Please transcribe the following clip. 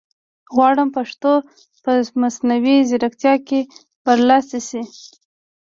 غواړم پښتو په مصنوعي ځیرکتیا کې برلاسې شي